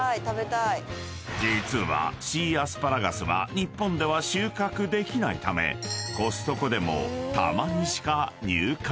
［実はシーアスパラガスは日本では収穫できないためコストコでもたまにしか入荷しない］